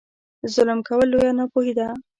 ظلم کول لویه ناپوهي ده.